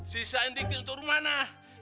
sisain dikit untuk rumah nah